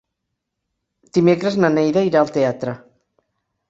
Dimecres na Neida irà al teatre.